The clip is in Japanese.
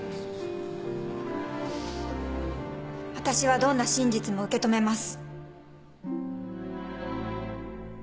私はどんな真実も受け止めます。